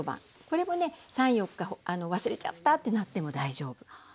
これもね３４日忘れちゃったってなっても大丈夫。